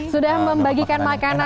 sudah membagikan makanan